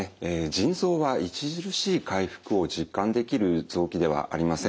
腎臓は著しい回復を実感できる臓器ではありません。